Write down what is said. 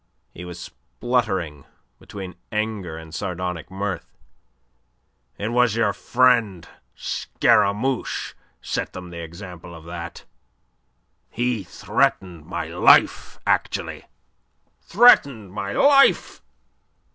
He was spluttering between anger and sardonic mirth. "It was your friend Scaramouche set them the example of that. He threatened my life actually. Threatened my life!